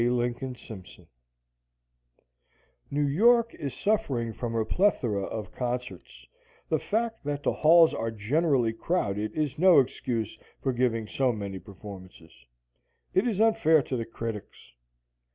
LINCOLN SIMPSON New York is suffering from a plethora of concerts. The fact that the halls are generally crowded is no excuse for giving so many performances. It is unfair to the critics.